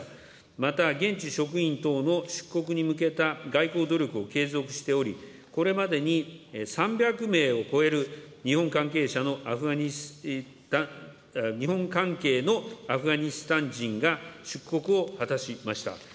また現地職員等の出国に向けた外交努力を継続しており、これまでに３００名を超える日本関係者の、日本関係のアフガニスタン人が出国を果たしました。